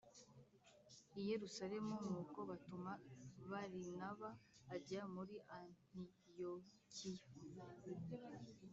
I Yerusalemu nuko batuma Barinaba ajya muri Antiyokiya